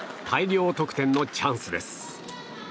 大量得点のチャンスです。